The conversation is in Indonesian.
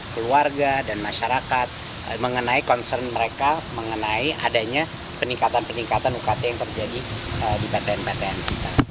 keluarga dan masyarakat mengenai concern mereka mengenai adanya peningkatan peningkatan ukt yang terjadi di ptn ptn kita